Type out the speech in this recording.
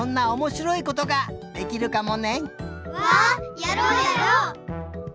やろうやろう！